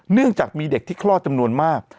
เนื่องจากมีเด็กที่คลอดจำนวนมาก